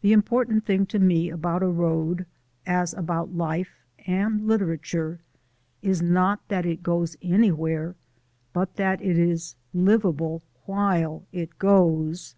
The important thing to me about a road, as about life and literature, is not that it goes anywhere, but that it is livable while it goes.